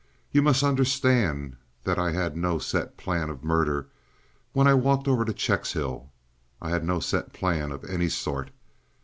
§ 5 You must understand that I had no set plan of murder when I walked over to Checkshill. I had no set plan of any sort.